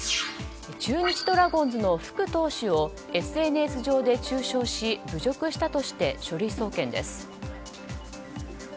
中日ドラゴンズの福投手をＳＮＳ上で中傷し侮辱したとして書類送検です。